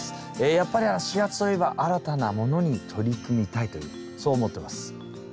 やっぱり４月といえば新たなものに取り組みたいというそう思ってます。